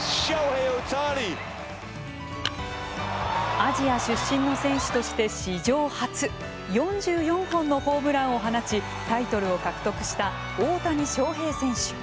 アジア出身の選手として史上初４４本のホームランを放ちタイトルを獲得した大谷翔平選手。